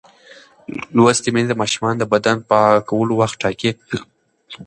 لوستې میندې د ماشومانو د بدن پاکولو وخت ټاکي.